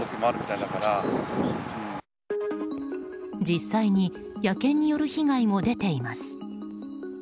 実際に野犬による被害も出ています。